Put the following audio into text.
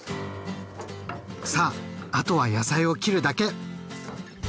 さああとは野菜を切るだけ！